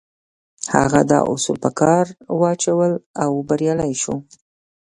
هغه دا اصول په کار واچول او بريالی شو.